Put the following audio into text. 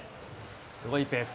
すごいペース。